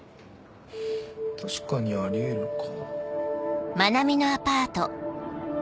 確かにあり得るか。